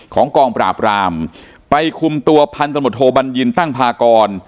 กองปราบรามไปคุมตัวพันธมตโทบัญญินตั้งพากร